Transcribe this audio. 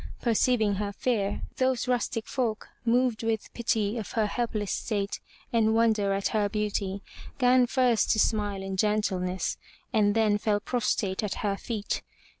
Perceiving her fear, those rustic folk, moved with pity of her helpless state and wonder at her beauty, gan first to smile in gentleness, and then fell prostrate at her feet.